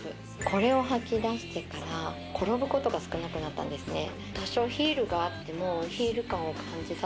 これを履きだしてから転ぶことが少なくなったんですね